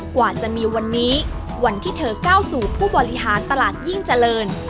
กว่าจะมีวันนี้วันที่เธอก้าวสู่ผู้บริหารตลาดยิ่งเจริญ